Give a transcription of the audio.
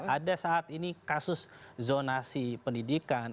ada saat ini kasus zonasi pendidikan